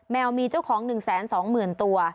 วมีเจ้าของ๑๒๐๐๐ตัว